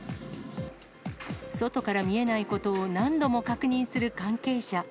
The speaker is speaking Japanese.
外から見えないことを何度も確認する関係者。